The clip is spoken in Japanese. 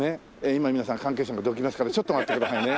今皆さん関係者がどきますからちょっと待ってくださいね。